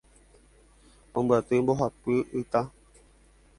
Ombyaty mbohapy ita